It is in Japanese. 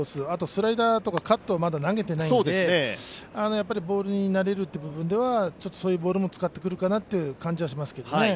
スライダーとかカットをまだ投げていないのでボールに慣れるという部分ではそういうボールも使ってくるかなという感じはしますけどね。